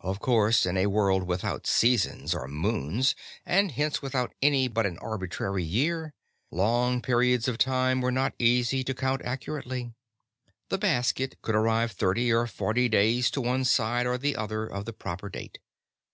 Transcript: Of course, in a world without seasons or moons, and hence without any but an arbitrary year, long periods of time are not easy to count accurately. The basket could arrive thirty or forty days to one side or the other of the proper date.